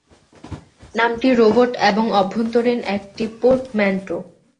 নামটি রোবট এবং অভ্যন্তরীণ একটি পোর্টম্যানটো।